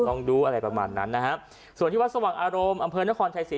ลองดูอะไรประมาณนั้นนะฮะส่วนที่วัดสว่างอารมณ์อำเภอนครชัยศรี